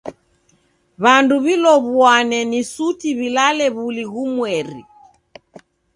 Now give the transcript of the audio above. W'andu w'ilow'uane si suti w'ilalew'uli ghumweri.